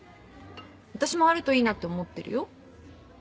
私もあるといいなって思ってるよ。